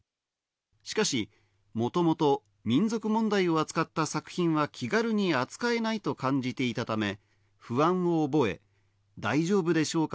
しかし、もともと民族問題を扱った作品は気軽に扱えないと感じていたため、不安を覚え、大丈夫でしょうか？